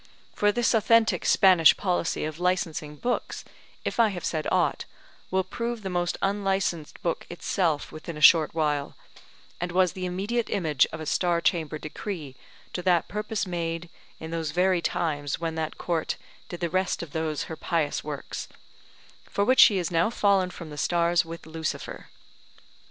For this authentic Spanish policy of licensing books, if I have said aught, will prove the most unlicensed book itself within a short while; and was the immediate image of a Star Chamber decree to that purpose made in those very times when that Court did the rest of those her pious works, for which she is now fallen from the stars with Lucifer.